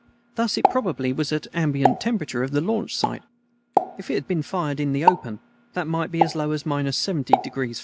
Thus it probably was at the ambient temperature of the launch site. If it had been fired in the open, that might be as low as minus 70° F.